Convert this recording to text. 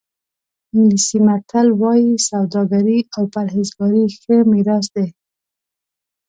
انګلیسي متل وایي سوداګري او پرهېزګاري ښه میراث دی.